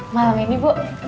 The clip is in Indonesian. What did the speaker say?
malam ini bu